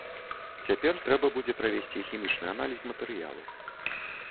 Цяпер трэба будзе правесці хімічны аналіз матэрыялу.